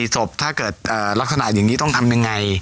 ศพถ้าเกิดลักษณะอย่างนี้ต้องทำยังไง